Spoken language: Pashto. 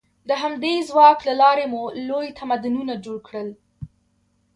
د همدې ځواک له لارې مو لوی تمدنونه جوړ کړل.